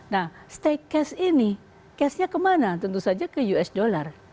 nah stake cash ini cashnya kemana tentu saja ke us dollar